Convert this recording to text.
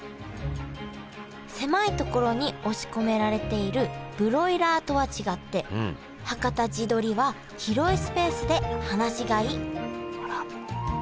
狭いところに押し込められているブロイラーとは違ってはかた地どりは広いスペースで放し飼いあら。